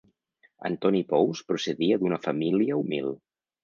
Antoni Pous procedia d'una família humil.